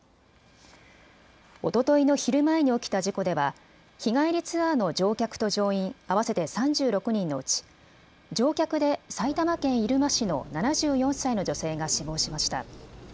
おとといの昼前に起きた事故では日帰りツアーの乗客と乗員合わせて３６人のうち乗客で埼玉県入間市の７４歳の女性が死亡しました。